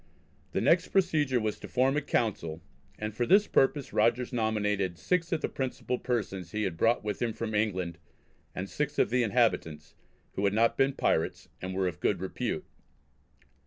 The next procedure was to form a Council, and for this purpose Rogers nominated six of the principal persons he had brought with him from England, and six of the inhabitants "who had not been pirates, and were of good repute."